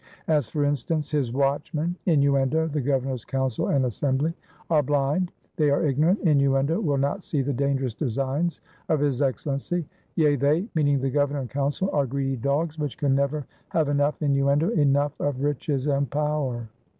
As for instance, "His watchmen (innuendo, the governor's council and Assembly) are blind; they are ignorant (innuendo, will not see the dangerous designs of His Excellency); yea they (meaning the governor and council) are greedy dogs which can never have enough (innuendo, enough of riches and power)."